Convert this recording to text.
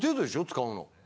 使うの。